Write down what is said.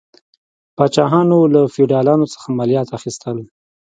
پاچاهانو له فیوډالانو څخه مالیات اخیستل.